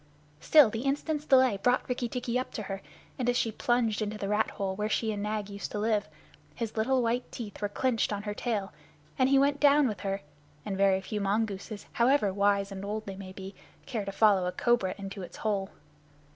Still, the instant's delay brought Rikki tikki up to her, and as she plunged into the rat hole where she and Nag used to live, his little white teeth were clenched on her tail, and he went down with her and very few mongooses, however wise and old they may be, care to follow a cobra into its hole.